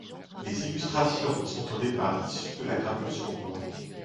Les illustrations sont au départ issues de la gravure sur bois.